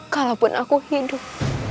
kalaupun aku hidup